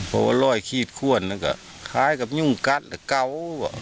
เพราะว่าหรอยขี้หิ้นควบน้องชมพู่เขาก็คล้ายกับหยุ่งกัดเก่า